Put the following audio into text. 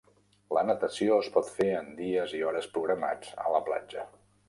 La natació es pot fer en dies i hores programats a la platja.